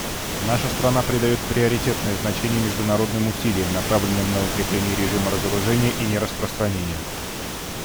Наша страна придает приоритетное значение международным усилиям, направленным на укрепление режима разоружения и нераспространения.